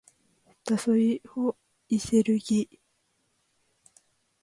だそい ｈｓｄｇ ほ；いせるぎ ｌｈｓｇ